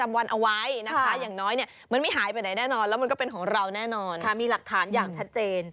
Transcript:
มีหลักฐานอย่างชัดเจน